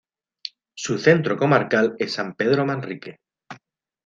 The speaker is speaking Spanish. Su centro comarcal es San Pedro Manrique.